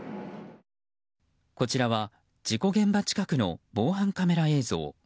こちらは事故現場近くの防犯カメラ映像。